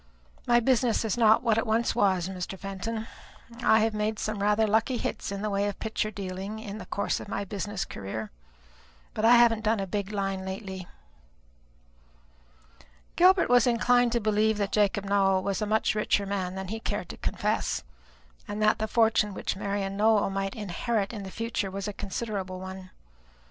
My business is not what it once was, Mr. Fenton. I have made some rather lucky hits in the way of picture dealing in the course of my business career, but I haven't done a big line lately." Gilbert was inclined to believe that Jacob Nowell was a much richer man than he cared to confess, and that the fortune which Marian Nowell might inherit in the future was a considerable one.